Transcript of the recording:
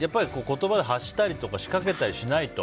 言葉で発したり仕掛けたりしないと。